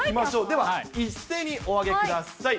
では、一斉にお上げください。